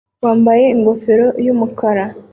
wambaye ingofero yumukara